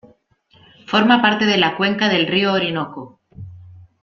Forma parte de la cuenca del río Orinoco.